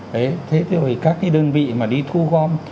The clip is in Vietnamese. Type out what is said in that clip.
đấy thế rồi các cái đơn vị mà đi thu gom